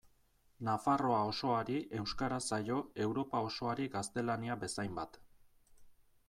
Nafarroa osoari euskara zaio Europa osoari gaztelania bezainbat.